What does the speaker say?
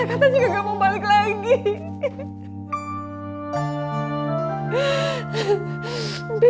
katanya gak mau balik lagi